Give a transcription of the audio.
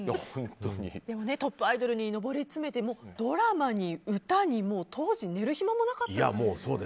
トップアイドルに上り詰めてドラマに歌に当時寝る暇もなかったですよね。